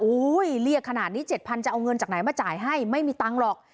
เรียกขนาดนี้๗๐๐จะเอาเงินจากไหนมาจ่ายให้ไม่มีตังค์หรอก